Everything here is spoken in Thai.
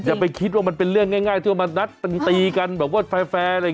อย่าไปคิดว่ามันเป็นเรื่องง่ายที่ว่านัฏตีกันแบบว่าแฟร์